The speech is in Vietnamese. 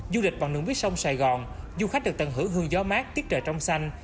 du lịch bằng nướng bí sông sài gòn du khách được tận hưởng hương gió mát tiết trời trong xanh